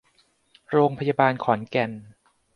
โรงพยาบาลขอนแก่น